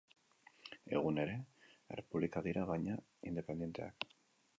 Egun ere, errepublikak dira baina independenteak.